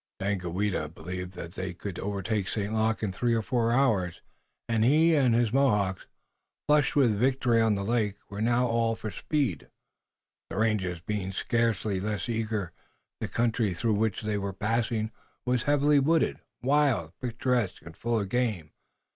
Daganoweda believed that they could overtake St. Luc in three or four hours, and he and his Mohawks, flushed with victory on the lake, were now all for speed, the rangers being scarcely less eager. The country through which they were passing was wooded heavily, wild, picturesque and full of game.